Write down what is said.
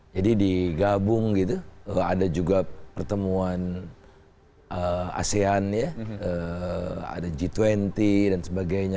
jadi digabung gitu ada juga pertemuan asean ya ada g dua puluh dan sebagainya